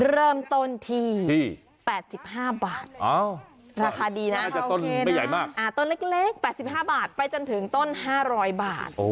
เริ่มต้นที่๘๕บาทราคาดีนะต้นเล็ก๘๕บาทไปจนถึงต้น๕๐๐บาท